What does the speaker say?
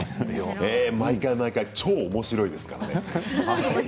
毎回毎回超おもしろいですからね。